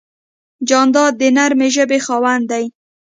جانداد د نرمې ژبې خاوند دی.